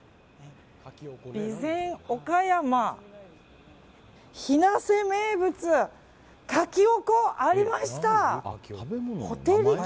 備前岡山日生名物カキオコありました。